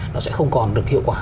nó sẽ không còn được hiệu quả